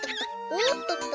おっととと。